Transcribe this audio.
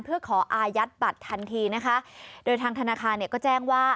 เพื่อขออายัดบัตรทันทีนะคะโดยทางธนาคารเนี่ยก็แจ้งว่า